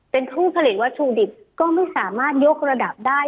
เป็นผู้ผลิตวัตถุดิบก็ไม่สามารถยกระดับได้